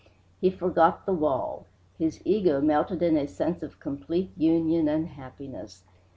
He forgot the wall. His ego melted in a sense of complete union and happiness.